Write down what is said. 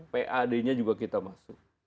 pad nya juga kita masuk